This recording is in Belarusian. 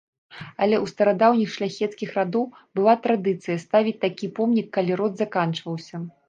Але ў старадаўніх шляхецкіх радоў была традыцыя ставіць такі помнік, калі род заканчваўся.